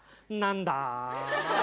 何だ？